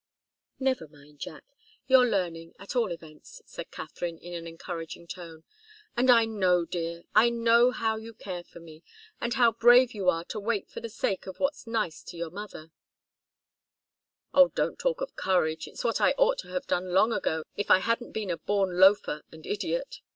"Never mind, Jack you're learning, at all events," said Katharine, in an encouraging tone. "And I know, dear I know how you care for me, and how brave you are to wait for the sake of what's nice to your mother " "Oh, don't talk of courage! It's what I ought to have done long ago, if I hadn't been a born loafer and idiot.